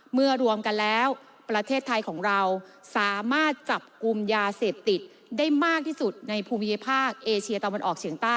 รวมกันแล้วประเทศไทยของเราสามารถจับกลุ่มยาเสพติดได้มากที่สุดในภูมิภาคเอเชียตะวันออกเฉียงใต้